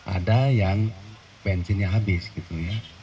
ada yang bensinnya habis gitu ya